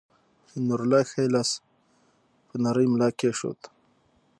نورالله ښے لاس پۀ نرۍ ملا کېښود